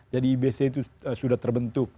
jadi ibc itu sudah terbentuk